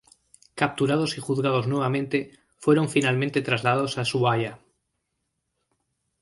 Capturados y juzgados nuevamente, fueron finalmente trasladados a Ushuaia.